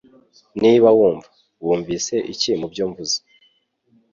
Niba wumva, wumvise iki mubyo mvuze